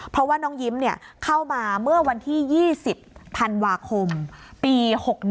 เพราะว่าน้องยิ้มเข้ามาเมื่อวันที่๒๐ธันวาคมปี๖๑